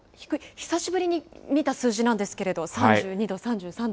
久しぶりに見た数字なんですけれども、３２度、３３度。